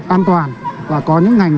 an toàn và có những ngành